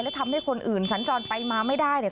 และทำให้คนอื่นสัญจรไปมาไม่ได้เนี่ย